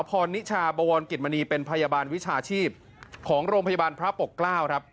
เป็นพยาบาลวิชาชีพของโรงพยาบาลพระปกเกล้าครับ